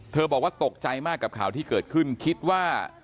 บอกว่าตกใจมากกับข่าวที่เกิดขึ้นคิดว่า